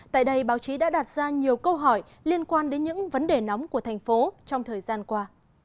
tại đây báo chí đã đặt ra nhiều câu hỏi liên quan đến những vấn đề nóng của thành phố trong thời gian qua